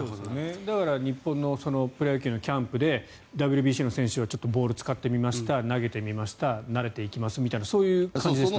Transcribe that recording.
だから日本のプロ野球のキャンプでＷＢＣの選手はちょっとボールを使ってみました投げてみました慣れていきますみたいなそういう感じですかね。